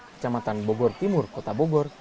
kecamatan bogor timur kota bogor